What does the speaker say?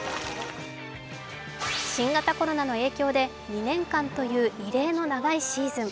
新型コロナの影響で２年間という異例の長いシーズン。